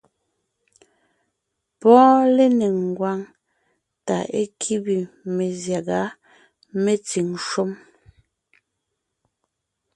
Pɔ́ɔn lénéŋ ngwáŋ tà é kíbe mezyága metsìŋ shúm.